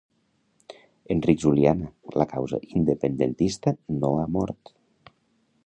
Enric Juliana: La causa independentista no ha mort